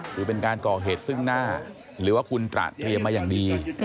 คือเป็นการก่อเหตุซึ่งหน้าหรือว่าคุณตระเตรียมมาอย่างดี